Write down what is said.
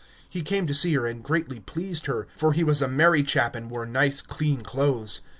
He came to see her and greatly pleased her, for he was a merry chap and wore nice clean clothes.